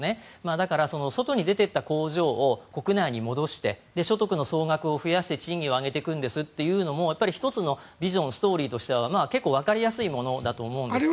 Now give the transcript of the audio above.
だから、外に出ていった工場を国内に戻して所得の総額を増やして賃金を上げていくんですというのも１つのビジョン、ストーリーとしては結構わかりやすいものだと思うんですが。